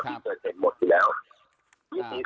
ผมอยากให้ตรวจสินกัตุลทุกอย่าง